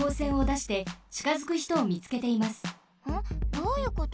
どういうこと？